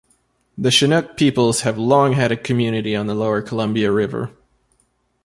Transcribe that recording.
The Chinook peoples have long had a community on the lower Columbia River.